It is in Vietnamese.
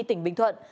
tỉnh bình thuận